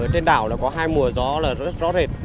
trên đảo có hai mùa gió rót rệt